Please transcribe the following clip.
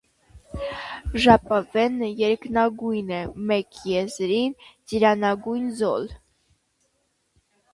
Ժապավենը երկնագույն է, մեկ եզրին ծիրանագույն զոլ։